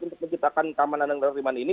untuk menciptakan tamanan dan teriman ini